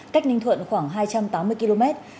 cách ninh thuận khoảng hai trăm tám mươi km